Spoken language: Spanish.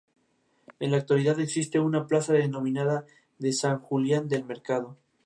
Esta derrota inició la decadencia del Imperio Medio Elamita.